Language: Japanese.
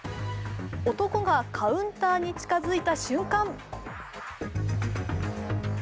男がカウンターに近づいた瞬間。